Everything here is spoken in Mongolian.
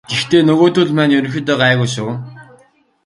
Гэхдээ нөгөөдүүл маань ерөнхийдөө гайгүй шүү.